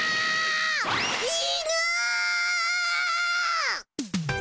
犬！